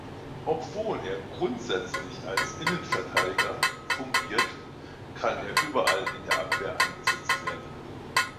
Obwohl er grundsätzlich als Innenverteidiger fungiert, kann er überall in der Abwehr eingesetzt werden.